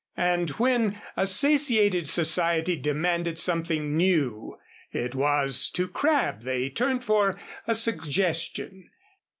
And when a satiated society demanded something new it was to Crabb they turned for a suggestion.